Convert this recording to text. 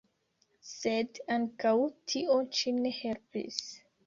Sed ankaŭ tio ĉi ne helpis.